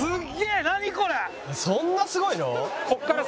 「そんなすごいの？」